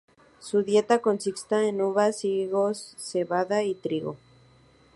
Su dieta consistía en uvas, higos, cebada y trigo.